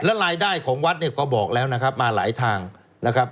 รายได้ของวัดเนี่ยก็บอกแล้วนะครับมาหลายทางนะครับ